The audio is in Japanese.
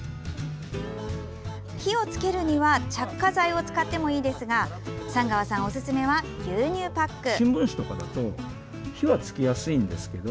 火をつけるには着火剤を使ってもいいですが寒川さんおすすめは牛乳パック。